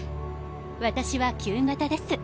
私は旧型です。